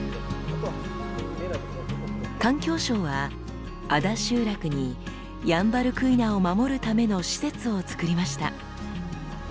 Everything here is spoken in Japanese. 環境省は安田集落にヤンバルクイナを守るための施設を造りました。